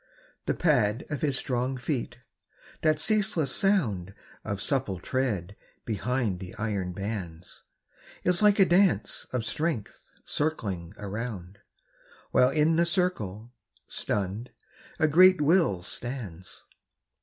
The pad of his strong feet, that ceaseless sound Of supple tread behind the iron bands, Is like a dance of strength circling around, While in the circle, stunned, a great will stands.